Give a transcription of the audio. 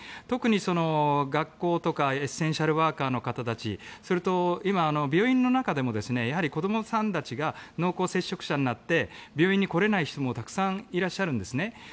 特に学校とかエッセンシャルワーカーの方たちそれと、今、病院の中でも子どもさんたちが濃厚接触者になって病院に来れない人もたくさんいらっしゃるんですね。